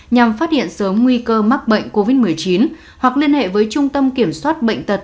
nhằm phát hiện sớm nguy cơ mắc bệnh covid một mươi chín hoặc liên hệ với trung tâm kiểm soát bệnh tật